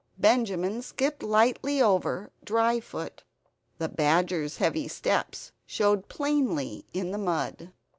Benjamin skipped lightly over dry foot; the badger's heavy steps showed plainly in the mud.